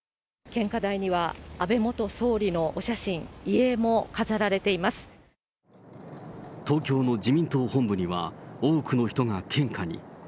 献花台には、安倍元総理のお写真、東京の自民党本部には、多くの人が献花に。